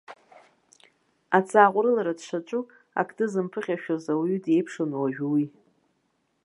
Аҵааҟәрылара дшаҿу ақды зымԥыхьашәаз ауаҩы диеиԥшын уажәы уи.